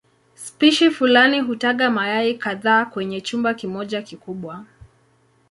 Spishi fulani hutaga mayai kadhaa kwenye chumba kimoja kikubwa.